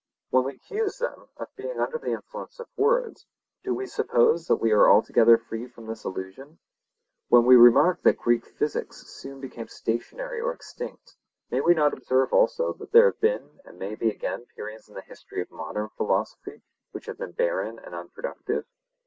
When we accuse them of being under the influence of words, do we suppose that we are altogether free from this illusion? When we remark that Greek physics soon became stationary or extinct, may we not observe also that there have been and may be again periods in the history of modern philosophy which have been barren and unproductive?